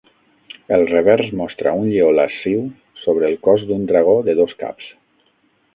El revers mostra un lleó lasciu sobre el cos d'un dragó de dos caps.